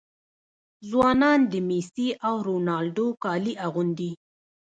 ځوانان د میسي او رونالډو کالي اغوندي.